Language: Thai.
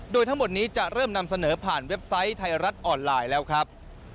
โดยทั้งหมดนี้จะเริ่มนำเสนอผ่านเว็บไซต์ไทยรัฐออนไลน์แล้วครับ